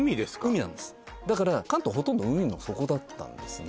海なんですだから関東ほとんど海の底だったんですね